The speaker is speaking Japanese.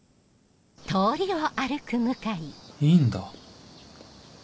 いいんだ